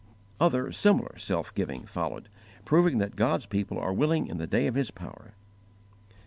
Other similar self giving followed, proving that God's people are willing in the day of His power.